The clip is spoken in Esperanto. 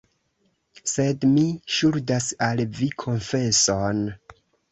Sed mi ŝuldas al vi konfeson.